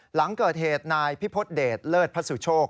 หลังเกิดเหตุนายพิพฤษเดชเลิศพัสุโชค